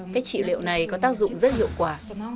cách trị liệu này có tác dụng rất hiệu quả